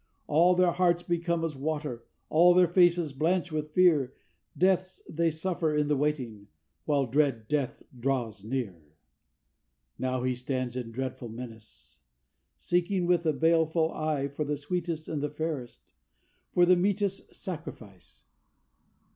All their hearts become as water, all their faces blanch with fear, Deaths they suffer in the waiting, while dread Death draws near. Now he stands in dreadful menace, seeking with a baleful eye For the sweetest and the fairest for the meetest sacrifice.